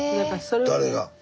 誰が？